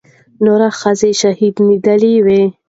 نورې ښځې شهيدانېدلې وې.